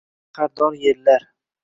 shahardor yellar